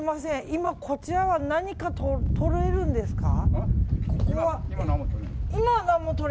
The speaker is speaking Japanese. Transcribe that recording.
今、こちらは何かとれるんですか。